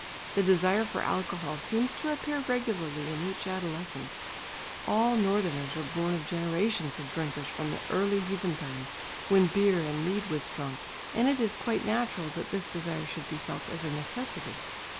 The desire for alcohol seems to appear regularly in each adolescent. All northerners are born of generations of drinkers from the early heathen times, when beer and mead was drunk, and it is quite natural that this desire should be felt as a necessity.